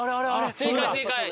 正解正解！